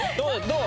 どう？